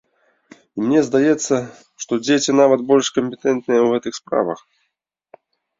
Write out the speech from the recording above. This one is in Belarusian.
І мне здаецца, што дзеці нават больш кампетэнтныя ў гэтых справах.